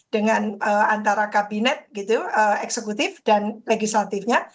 dengan antara kabinet gitu eksekutif dan legislatifnya